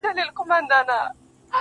• زه خو د وخت د بـلاگـانـــو اشـنا.